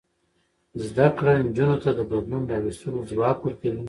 زده کړه نجونو ته د بدلون راوستلو ځواک ورکوي.